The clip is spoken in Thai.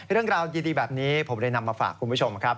เรื่องราวดีแบบนี้ผมเลยนำมาฝากคุณผู้ชมครับ